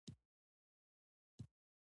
پازوالو په هغو دغو تېرېستلو.